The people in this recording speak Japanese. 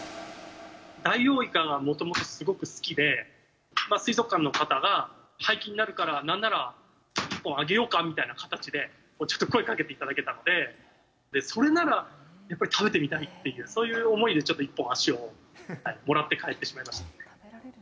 ダイオウイカがもともとすごく好きで、水族館の方が、廃棄になるから、なんなら１本あげようかみたいな形で、ちょっと声かけていただけたんで、それなら、やっぱり食べてみたいっていう、そういう思いでちょっと１本足をもらって帰ってしまいました。